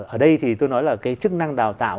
ở đây thì tôi nói là cái chức năng đào tạo